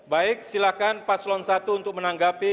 baik silahkan paslon satu untuk menanggapi